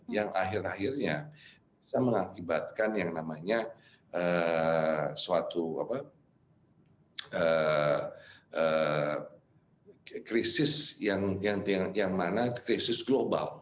yang akhir akhirnya bisa mengakibatkan yang namanya suatu krisis yang mana krisis global